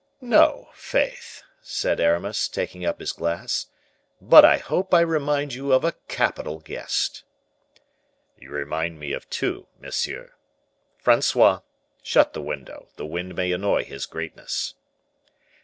"No! faith," said Aramis, taking up his glass; "but I hope I remind you of a capital guest." "You remind me of two, monsieur. Francois, shut the window; the wind may annoy his greatness."